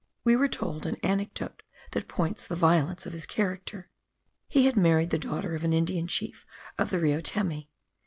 We were told an anecdote that paints the violence of his character. He had married the daughter of an Indian chief of the Rio Temi.